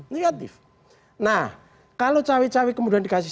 negatif nah kalau cawe cawe kemudian dikasih